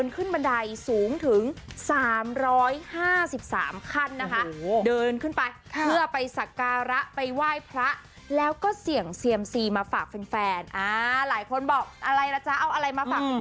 การะไปไหว้พระแล้วก็เสี่ยงเซียมซีมาฝากแฟนอ่าหลายคนบอกอะไรล่ะจ๊ะเอาอะไรมาฝากแฟน